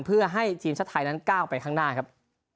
เพื่อให้ทีมชาติไทยนั้นก้าวไปข้างหน้าครับ